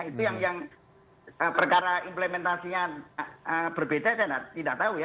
itu yang perkara implementasinya berbeda saya tidak tahu ya